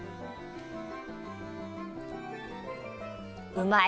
うまい。